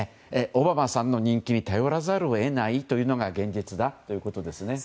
オバマさんの人気に頼らざるを得ないというのが現実だということです。